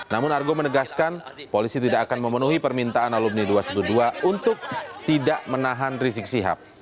namun argo menegaskan polisi tidak akan memenuhi permintaan alumni dua ratus dua belas untuk tidak menahan rizik sihab